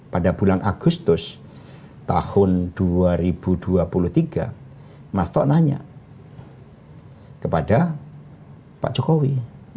pada bulan agustus tahun dua ribu dua puluh tiga mas toto nanya kepada pak jokowi